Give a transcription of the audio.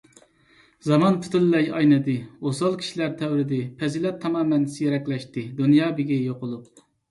زامان پۈتۇنلەي ئاينىدى، ئوسال كىشىلەر تەۋرىدى، پەزىلەت تامامەن سىيرەكلەشتى، دۇنيا بېگى يوقۇلۇپ.